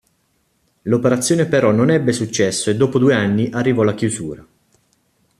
L'operazione però non ebbe successo e dopo due anni arrivò la chiusura.